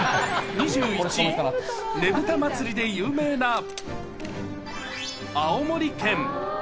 ２１位、ねぶた祭で有名な青森県。